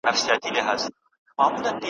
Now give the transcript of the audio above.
زه به شمع غوندي ستا په لار کي بل سم `